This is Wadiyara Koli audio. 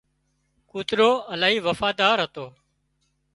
ڪوترو الاهي وفادار هتو